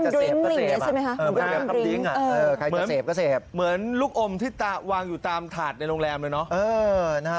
อืมเวลคัมดริ้งก์ก็เสพเหมือนลูกอมที่วางอยู่ตามถาดในโรงแรมด้วยนะ